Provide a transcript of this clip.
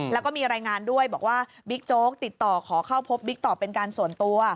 แล้วก็มีรายงานด้วยบอกว่าบิ๊กโจ๊กติดต่อขอเข้าพบบิ๊กต่อเป็นการส่วนตัว